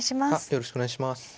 よろしくお願いします。